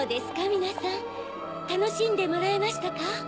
みなさんたのしんでもらえましたか？